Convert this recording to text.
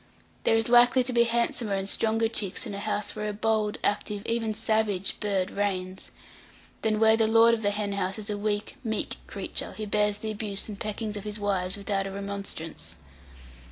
There is likely to be handsomer and stronger chicks in a house where a bold, active even savage bird reigns, than where the lord of the hen house is a weak, meek creature, who bears the abuse and peckings of his wives without a remonstrance.